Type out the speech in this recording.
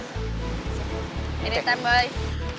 ini kita semuanya